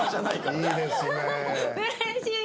うれしい！